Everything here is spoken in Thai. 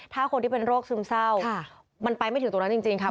ถ้าคนที่เป็นโรคซึมเศร้ามันไปไม่ถึงตรงนั้นจริงครับ